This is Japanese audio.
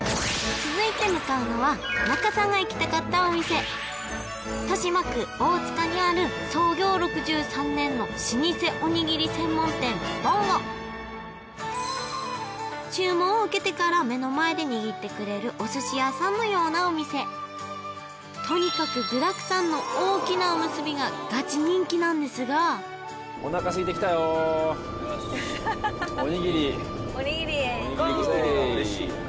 続いて向かうのは仲さんが行きたかったお店豊島区大塚にある創業６３年の老舗おにぎり専門店ぼんご注文を受けてから目の前で握ってくれるお寿司屋さんのようなお店とにかく具だくさんの大きなおむすびがガチ人気なんですがおにぎりは嬉しいよね